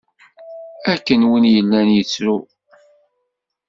Akken win yellan yettru.